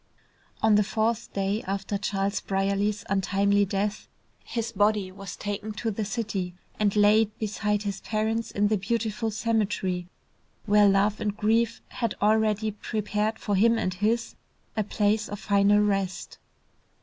On the fourth day after Charles Brierly's untimely death, his body was taken to the city and laid beside his parents in the beautiful cemetery where love and grief had already prepared for him and his, a place of final rest.